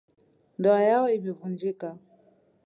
Ndoa yao imevunjika